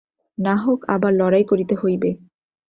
নাহক আবার লড়াই করিতে হইবে।